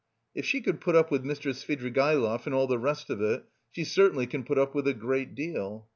If she could put up with Mr. Svidrigaïlov and all the rest of it, she certainly can put up with a great deal.